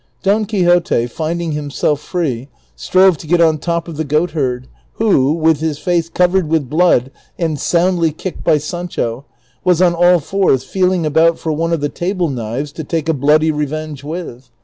Don Quixote, finding hiinself free, strove to get on top of the goatherd, who, Avith his face covered Avith blood, and soundly kicked by Sancho, Avas on all fours feeling about for one of the table knives to take a bloody revenge Avith.